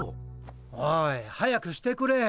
おい早くしてくれ。